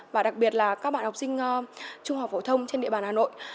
và đặc biệt là các bạn học sinh trung học phổ thông trên địa bàn hà nội